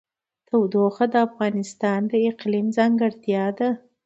تودوخه د افغانستان د اقلیم ځانګړتیا ده.